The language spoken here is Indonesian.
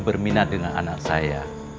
berminat dengan anak saya